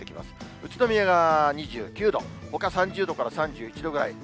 宇都宮が２９度、ほか３０度から３１度くらい。